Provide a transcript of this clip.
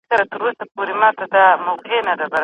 که چیرې د موټر تېل خلاص شي نو زه به سوارلي څنګه رسوم؟